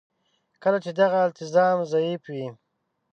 کله چې دغه التزام ضعیف وي.